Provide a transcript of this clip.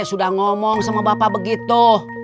sudah ngomong sama bapak begitu